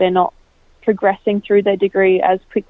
sementara mereka tidak berkembang dengan kelebihan mereka